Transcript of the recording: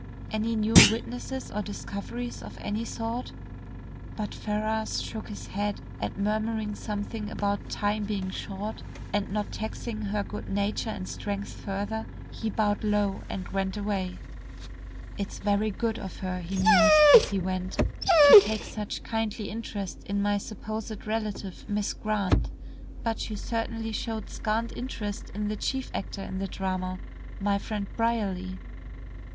Any new witnesses or discoveries of any sort?" But Ferrars shook his head, and murmuring something about time being short, and not taxing her good nature and strength further, he bowed low, and went away. "It's very good of her," he mused, as he went, "to take such kindly interest in my supposed relative, Miss Grant. But she certainly showed scant interest in the chief actor in the drama, my friend Brierly."